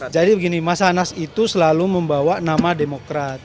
jadi begini mas anas itu selalu membawa nama demokrat